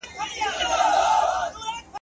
هغې ویلي، "زما ذهن تیاره ښکاره کېده."